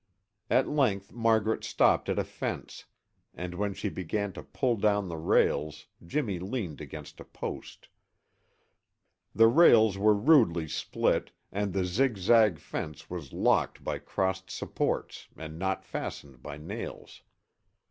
At length Margaret stopped at a fence, and when she began to pull down the rails Jimmy leaned against a post. The rails were rudely split, and the zig zag fence was locked by crossed supports and not fastened by nails.